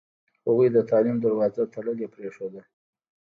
هغوی د تعلیم دروازه تړلې پرېښوده.